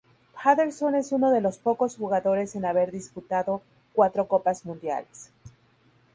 Paterson es uno de los pocos jugadores en haber disputado cuatro Copas Mundiales.